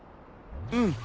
うん。